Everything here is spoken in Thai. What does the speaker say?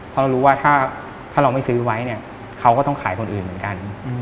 เพราะเรารู้ว่าถ้าเราไม่ซื้อไว้เนี่ยเขาก็ต้องขายคนอื่นเหมือนกัน